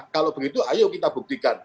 kalau begitu ayo kita buktikan